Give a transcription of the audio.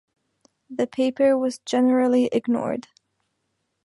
The paper was generally ignored.